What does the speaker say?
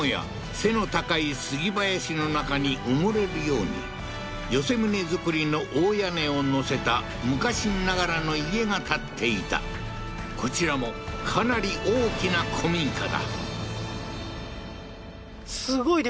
背の高い杉林の中に埋もれるように寄せ棟造りの大屋根を載せた昔ながらの家が建っていたこちらもかなり大きな古民家だ